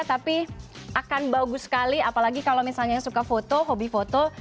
tapi akan bagus sekali apalagi kalau misalnya suka foto hobi foto